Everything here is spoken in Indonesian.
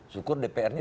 syukur dpr nya